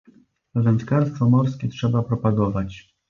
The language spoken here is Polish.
Wędkarstwo morskie trzeba propagować